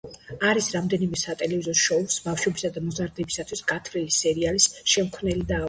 არის რამდენიმე სატელევიზიო შოუს, ბავშვებისა და მოზარდებისათვის გათვლილი სერიალის შემქმნელი და ავტორი.